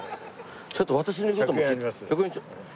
ちょっと私の言う事も聞いて。